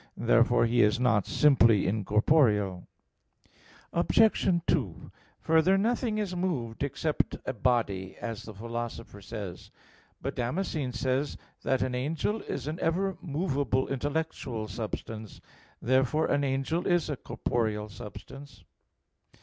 Therefore he is not simply incorporeal." Obj. 2: Further, nothing is moved except a body, as the Philosopher says (Phys. vi, text 32). But Damascene says (De Fide Orth. ii) that "an angel is an ever movable intellectual substance." Therefore an angel is a corporeal substance.